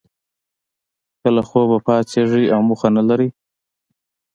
که له خوبه پاڅیږی او موخه نه لرئ